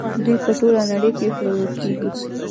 دوی په ټوله نړۍ کې پلورل کیږي.